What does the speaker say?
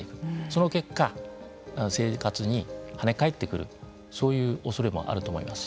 その結果、生活にはね返ってくるそういうおそれもあると思います。